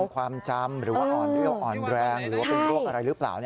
ความจำหรือว่าอ่อนแรงหรือว่าเป็นโรคอะไรรึเปล่า